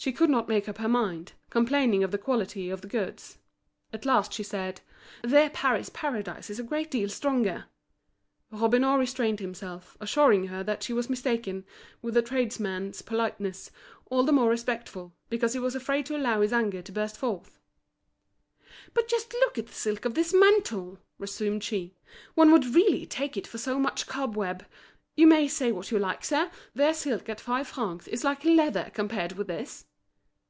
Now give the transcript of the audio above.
She could not make up her mind, complaining of the quality of the goods. At last she said: "Their Paris Paradise is a great deal stronger." Robineau restrained himself, assuring her that she was mistaken, with a tradesman's politeness, all the more respectful, because he was afraid to allow his anger to burst forth. "But just look at the silk of this mantle!" resumed she, "one would really take it for so much cobweb. You may say what you like, sir, their silk at five francs is like leather compared with this."